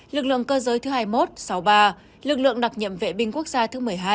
lực lượng cơ giới thứ hai mươi một sáu mươi ba lực lượng đặc nhiệm vệ binh quốc gia thứ một mươi hai